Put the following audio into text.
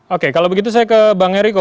oke kalau begitu saya ke bang eriko